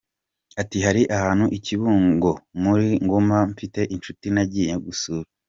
Ati “Hari ahantu i Kibungo muri Ngoma mfite inshuti nagiye gusura.